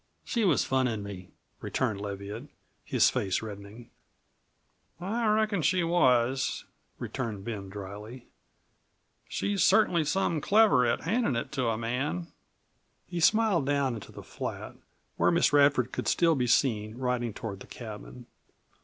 "She was funnin' me," returned Leviatt, his face reddening. "I reckon she was," returned Ben dryly. "She's certainly some clever at handing it to a man." He smiled down into the flat, where Miss Radford could still be seen, riding toward the cabin.